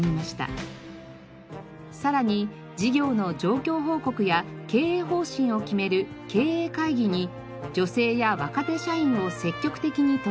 さらに事業の状況報告や経営方針を決める経営会議に女性や若手社員を積極的に登用。